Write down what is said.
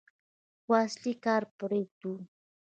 خو اصلي کار پرېږدو.